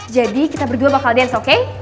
jadi kita berdua bakal dance oke